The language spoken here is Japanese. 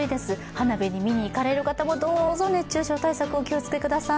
花火を見に行かれる方もどうぞ熱中症対策、お気をつけください。